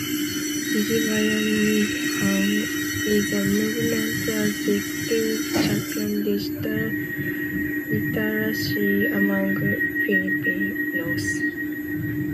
DigiBayanihan is a movement that seeks to champion digital literacy among Filipinos.